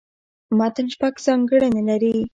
متن شپږ ځانګړني لري.